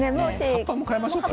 葉っぱも変えましょうか。